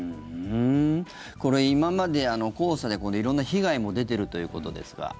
これ、今まで黄砂で色んな被害も出てるということですが。